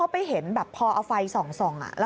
พอเอาไฟส่องนะ